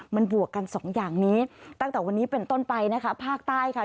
มันบวกกันสองอย่างนี้ตั้งแต่วันนี้เป็นต้นไปนะคะภาคใต้ค่ะ